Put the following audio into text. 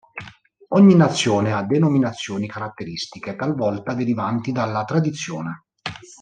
Ogni nazione ha denominazioni caratteristiche talvolta derivanti dalla tradizione.